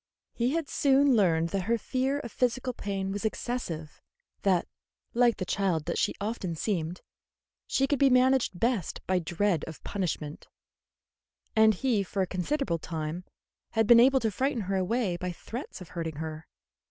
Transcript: He had soon learned that her fear of physical pain was excessive; that, like the child that she often seemed, she could be managed best by dread of punishment; and he for a considerable time had been able to frighten her away by threats of hurting her.